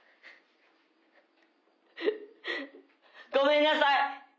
ごめんなさい！